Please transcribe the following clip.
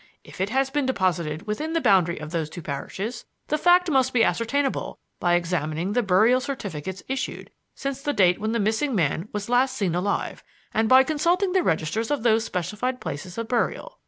If it has been deposited within the boundary of those two parishes, the fact must be ascertainable by examining the burial certificates issued since the date when the missing man was last seen alive and by consulting the registers of those specified places of burial.